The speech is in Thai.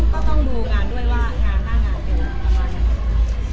ก็ต้องดูงานด้วยว่างานหน้างาน